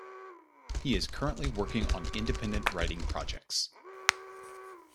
He is currently working on independent writing projects.